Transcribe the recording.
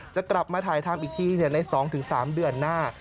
จะกลับมาถ่ายทำอีกทีใน๒๓เดือนหน้า